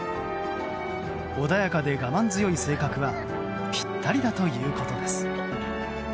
穏やかで我慢強い性格はぴったりだということです。